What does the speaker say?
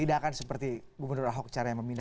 tidak akan seperti gubernur ahok caranya memindahkan